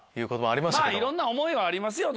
まぁいろんな思いはありますよ